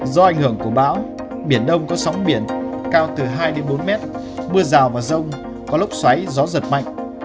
do ảnh hưởng của bão biển đông có sóng biển cao từ hai bốn m mưa rào và rông có lúc xoáy gió giật mạnh